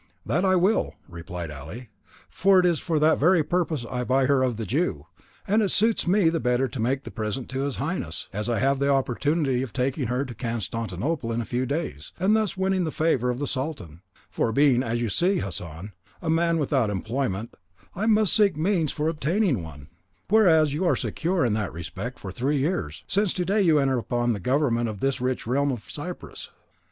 "That will I," replied Ali, "for it is for that very purpose I buy her of the Jew; and it suits me the better to make the present to his Highness, as I have the opportunity of taking her to Constantinople in a few days, and thus winning the favour of the Sultan; for being, as you see, Hassan, a man without employment, I must seek means for obtaining one; whereas, you are secure in that respect for three years, since to day you enter upon the government of this rich realm of Cyprus.